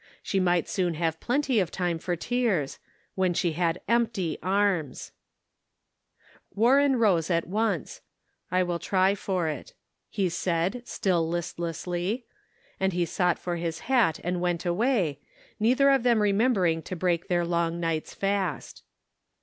She might soon have plenty of time for tears — when she had empty arms ! Warren rose at once. "I will try for it," he said, still listlessly ; and he sought for his hat and went away, neither of them remembering to break their long night's fast.